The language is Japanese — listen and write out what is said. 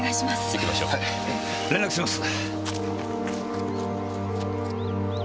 行きましょう。連絡します！